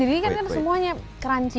jadi ini kan kan semuanya crunchy